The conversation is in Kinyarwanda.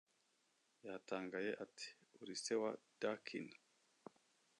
Yatangaye ati: "Uri se wa Darkyn."